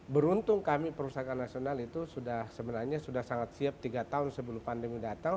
beruntung kami perusahaan nasional itu sebenarnya sudah sangat siap tiga tahun sebelum pandemi datang